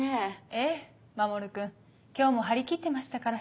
ええ守君今日も張り切ってましたから。